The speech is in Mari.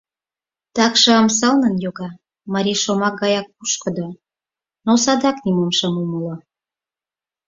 — Такшым сылнын йоҥга, марий шомак гаяк пушкыдо, но садак нимом шым умыло...